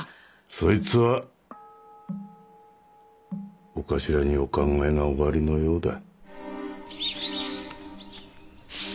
そいつはお頭にお考えがおありのようだ。